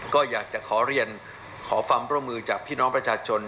ก็อยากจะขอเรียนขอความร่วมมือจากพี่น้องประชาชน